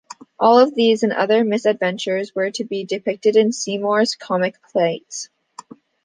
All these and other misadventures were to be depicted in Seymour's comic plates.